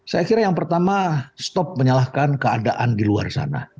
saya kira yang pertama stop menyalahkan keadaan di luar sana